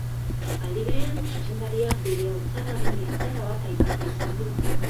Aldi berean, zuzendariak bere haurtzaroaren gertaera bat aipatu izan du.